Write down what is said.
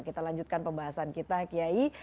kita lanjutkan pembahasan kita ki yai